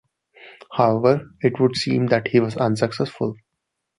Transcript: However it would seem that he was unsuccessful.